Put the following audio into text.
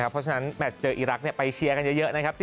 เพราะฉะนั้นแมทเจออีรักษ์ไปเชียร์กันเยอะนะครับ